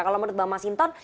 kalau menurut bapak mas hinton